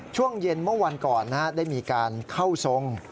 ช่วงเย็นเมื่อวันก่อนได้มีการเข้าทรง